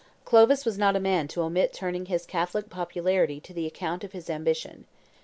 Clovis was not a man to omit turning his Catholic popularity to the account of his ambition.